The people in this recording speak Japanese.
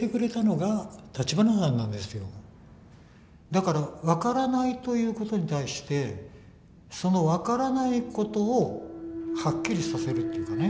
だから分からないということに対してその分からないことをはっきりさせるっていうかね。